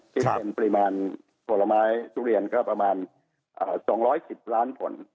ซึ่งเป็นปริมาณผลไม้ทุเรียนก็ประมาณ๒๑๐ล้านผล